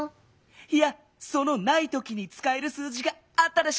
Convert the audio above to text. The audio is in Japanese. いやその「ないとき」につかえる数字があったでしょう？